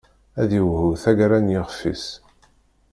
Ad yewɛu taggara n yixf-is.